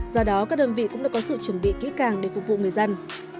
do đó các đơn vị cũng đã có sự chuẩn bị kỹ càng để phục vụ người dân